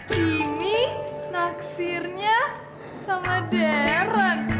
kimi naksirnya sama darren